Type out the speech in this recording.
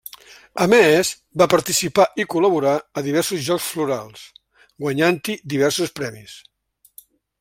A més, va participar i col·laborar a diversos Jocs Florals, guanyant-hi diversos premis.